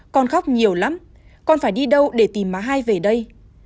con khóc nhiều lắm con phải đi đâu để tìm má hai về đây